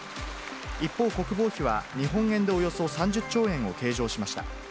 一方、国防費は日本円でおよそ３０兆円を計上しました。